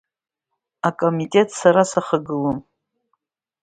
Акомитет сара сахагылон.